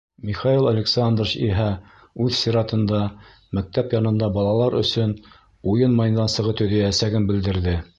Михаил Александрович иһә үҙ сиратында мәктәп янында балалар өсөн уйын майҙансығы төҙөйәсәген белдерҙе.